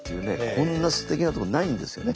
こんなすてきなとこないんですよね。